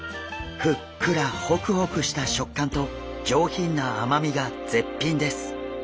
ふっくらホクホクした食感と上品なあまみが絶品です。